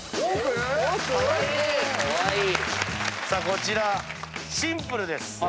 こちらシンプルです。